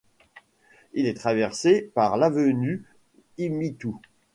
Il est traversé par l'avenue Ymitoύ.